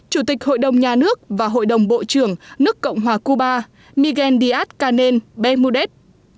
chủ tịch hội đồng nhà nước và hội đồng bộ trưởng nước cộng hòa cuba miguel díaz canel bemudet